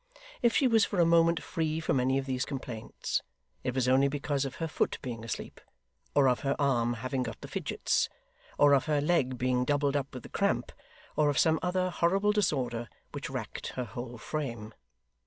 If she was for a moment free from any of these complaints, it was only because of her foot being asleep, or of her arm having got the fidgets, or of her leg being doubled up with the cramp, or of some other horrible disorder which racked her whole frame.